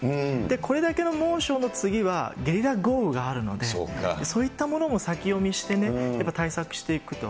これだけの猛暑の次は、ゲリラ豪雨があるので、そういったものも先読みしてね、やっぱ対策していくと。